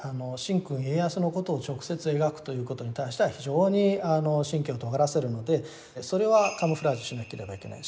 神君家康のことを直接描くということに対しては非常に神経をとがらせるのでそれはカムフラージュしなければいけない。